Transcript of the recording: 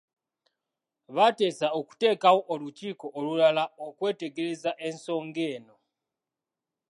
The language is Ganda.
Baateesa okuteekawo olukiiko olulala okwetegereza ensonga eno.